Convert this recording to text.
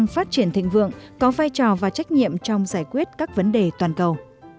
phát triển thịnh vượng có vai trò và trách nhiệm trong giải quyết các vấn đề toàn cầu